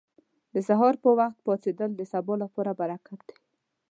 • د سهار پر وخت پاڅېدل د سبا لپاره برکت دی.